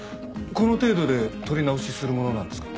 この程度で撮り直しするものなんですか？